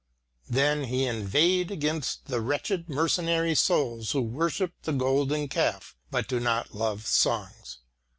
Then he inveighed against the wretched mercenary souls who worship the golden calf but do not love songs.